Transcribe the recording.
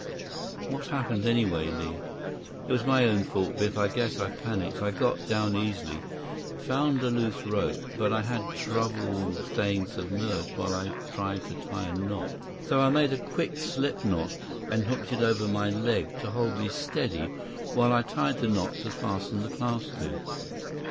"What happened, anyway, Li?" "It was my own fault, Biff. I guess I panicked. I got down easily. Found a loose rope. But I had trouble staying submerged while I tried to tie a knot. So I made a quick slip knot and hooked it over my leg to hold me steady while I tied the knot to fasten the clasp to."